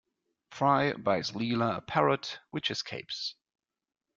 Fry buys Leela a parrot, which escapes.